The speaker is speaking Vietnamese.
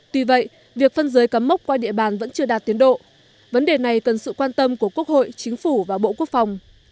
tuy vậy việc phân giới cắm mốc qua địa bàn vẫn chưa đạt tiến độ vấn đề này cần sự quan tâm của quốc hội chính phủ và bộ quốc phòng